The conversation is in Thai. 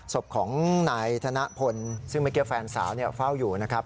ศพของนายธนพลซึ่งไม่เกี่ยวแฟนสาวเนี่ยเฝ้าอยู่นะครับ